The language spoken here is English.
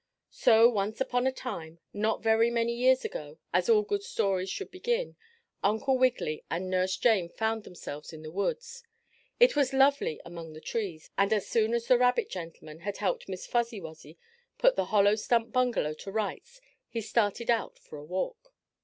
So, once upon a time, not very many years ago, as all good stories should begin, Uncle Wiggily and Nurse Jane found themselves in the woods. It was lovely among the trees, and as soon as the rabbit gentleman had helped Miss Fuzzy Wuzzy put the hollow stump bungalow to rights he started out for a walk.